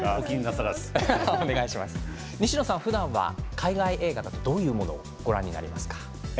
西野さん、ふだんは海外はどういうものをご覧なりますか。